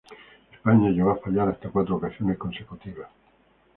España llegó a fallar hasta cuatro ocasiones consecutivas.